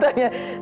semoga yang mau ya